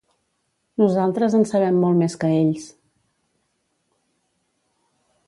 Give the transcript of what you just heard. Nosaltres en sabem molt més que ells.